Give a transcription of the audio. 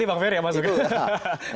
itu tadi pak ferry yang masuk ya